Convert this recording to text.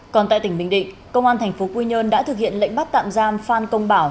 còn tại tỉnh bình định công an thành phố quy nhơn đã thực hiện lệnh bắt tạm giam phan công bảo